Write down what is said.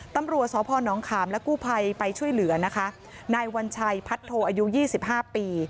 ตำรัวศพน้องขามและกู้ไพไปช่วยเหลือนะคะนายวัญชัยพัดโทอายุยี่สิบห้าปี